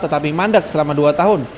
tetapi mandak selama dua tahun